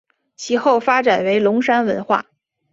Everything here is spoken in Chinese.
其后发展为龙山文化。